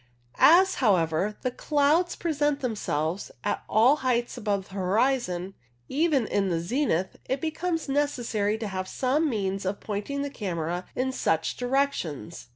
As, however, the clouds present themselves at all heights above the horizon, even in the zenith, it becomes necessary to have some means of pointing the camera in such direc tions.